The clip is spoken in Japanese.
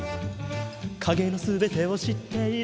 「影の全てを知っている」